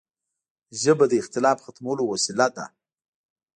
ژبه د اختلاف ختمولو وسیله ده